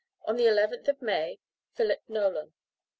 on the 11th of May, PHILIP NOLAN."